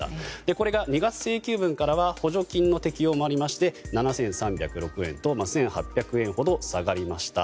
これが２月請求分からは補助金の適用もありまして７３０６円と１８００円ほど下がりました。